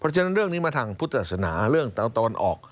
เพราะฉะนั้นเรื่องนี้มาทางพุทธศนาเรื่องตอนออก